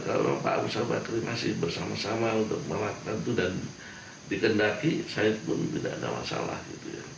kalau pak abu sabakri masih bersama sama untuk melakukan itu dan dikendaki saya pun tidak ada masalah gitu ya